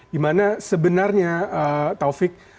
dimana sebenarnya taufik